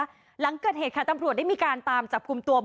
เรื่องนี้เกิดอะไรขึ้นไปเจาะลึกประเด็นร้อนจากรายงานค่ะ